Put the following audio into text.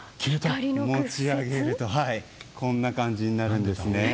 持ち上げるとこんな感じになるんですね。